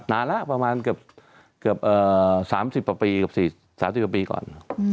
นานแล้วประมาณเกือบ๓๐ปีก่อน